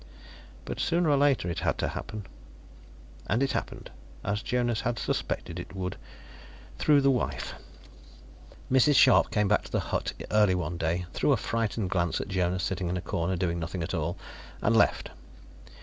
But sooner or later it had to happen. And it happened, as Jonas had suspected it would, through the wife. Mrs. Scharpe came back to the hut early one day, threw a frightened glance at Jonas sitting in a corner doing nothing at all, and left.